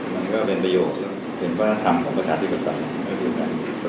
มันก็เป็นประโยชน์เป็นพัฒนธรรมของประชาธิปัตตา